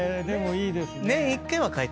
でもいいですね。